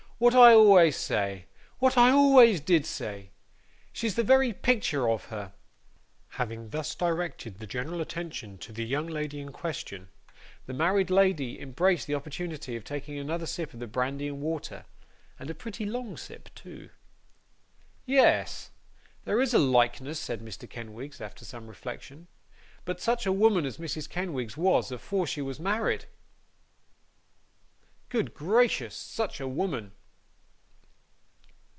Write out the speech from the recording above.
'What I always say; what I always did say! She's the very picter of her.' Having thus directed the general attention to the young lady in question, the married lady embraced the opportunity of taking another sip of the brandy and water and a pretty long sip too. 'Yes! there is a likeness,' said Mr. Kenwigs, after some reflection. 'But such a woman as Mrs. Kenwigs was, afore she was married! Good gracious, such a woman!